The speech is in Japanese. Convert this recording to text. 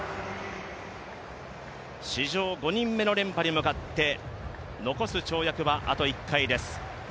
史上５人目の連覇に向かって残す跳躍はあと１回です。